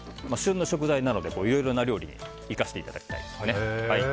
旬の食材なのでいろいろな料理に生かしていただきたいです。